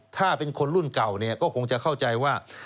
ถ้าเป็นคนรุ่นเก่าเนี่ยก็คงจะเข้าใจว่า